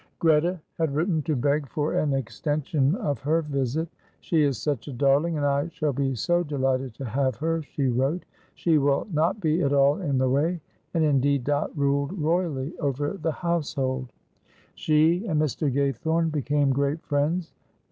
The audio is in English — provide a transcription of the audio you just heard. Greta had written to beg for an extension of her visit. "She is such a darling, and I shall be so delighted to have her," she wrote. "She will not be at all in the way," and indeed Dot ruled royally over the household. She and Mr. Gaythorne became great friends.